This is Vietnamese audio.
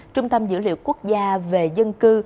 trung tâm dữ liệu quốc gia về dân cư